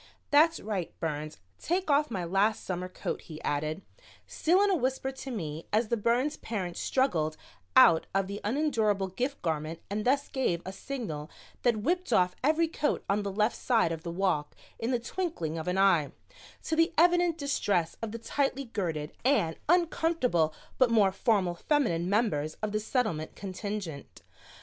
"That's right, Burns, take off my last summer coat," he added, still in a whisper to me as the Burns parent struggled out of the unendurable gift garment and thus gave a signal that whipped off every coat on the left side of the walk in the twinkling of an eye, to the evident distress of the tightly girted and uncomfortable but more formal feminine members of the Settlement contingent.